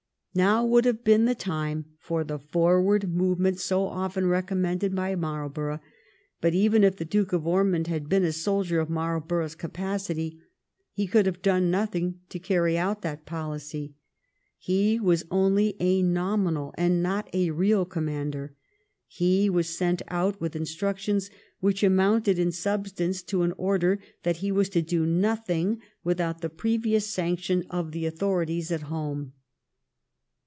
Now would have been the time for the forward movement so often recommended by Marlborough ; but even if the Duke of Ormond had been a soldier of Marlborough's capacity, he could have done nothing to carry out that policy. He was only a nominal, and not a real, commander. He was sent out with instructions which amounted in sub stance to an order that he was to do nothing without the previous sanction of the authorities at home.